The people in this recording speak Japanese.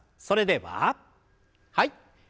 それでははい。